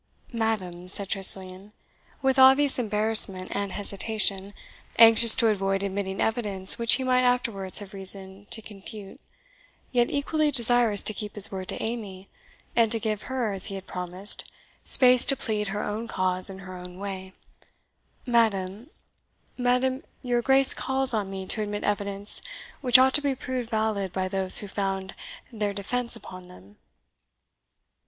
"Madam," said Tressilian, with obvious embarrassment and hesitation, anxious to avoid admitting evidence which he might afterwards have reason to confute, yet equally desirous to keep his word to Amy, and to give her, as he had promised, space to plead her own cause in her own way "Madam Madam, your Grace calls on me to admit evidence which ought to be proved valid by those who found their defence upon them."